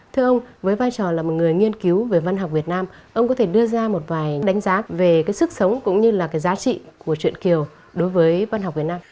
thưa ông với vai trò là một người nghiên cứu về văn học việt nam ông có thể đưa ra một vài đánh giá về cái sức sống cũng như là cái giá trị của truyền kiều đối với văn học việt nam